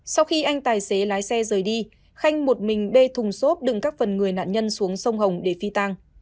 sau khi anh tài xế lái xe rời đi khanh một mình bê thùng xốp đựng các phần người nạn nhân xuống sông hồng để phi tang